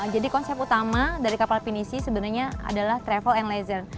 jadi konsep utama dari kapal finisi sebenarnya adalah travel and leisure